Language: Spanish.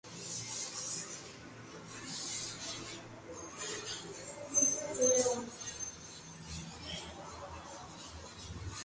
Finalmente se mudó a Hollywood, donde siguió escribiendo para musicales de Broadway.